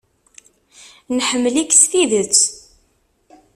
Nḥemmel-ik s tidet.